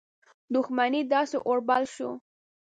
دښمنۍ داسي اور بل شو.